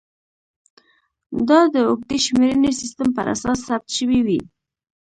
دا د اوږدې شمېرنې سیستم پر اساس ثبت شوې وې